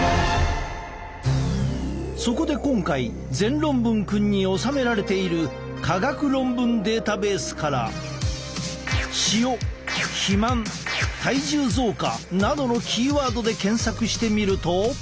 そこで今回全論文くんに収められている科学論文データベースからなどのキーワードで検索してみると。